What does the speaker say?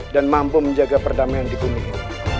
dan mampu menjaga perdamaian di bumi ini